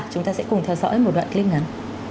chúng ta sẽ cùng theo dõi một đoạn clip ngắn